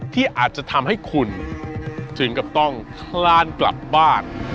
ที่อาจจะทำให้คุณถึงกับต้องคลานกลับบ้าน